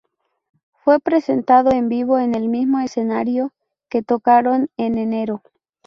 Fue presentado en vivo en el mismo escenario que tocaron en enero.